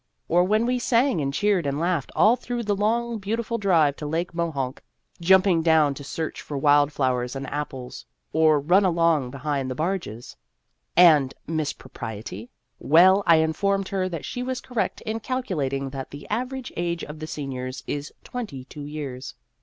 Or when we sang and cheered and laughed all through the long beautiful drive to Lake Mohonk, jumping Danger ! 245 down to search for wild flowers and apples, or run along behind the barges? And Miss Propriety? Well, I informed her that she was correct in calculating that the average age of the seniors is twenty two years.